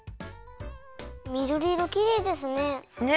みどりいろきれいですね！